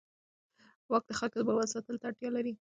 واک د خلکو د باور ساتلو ته اړتیا لري.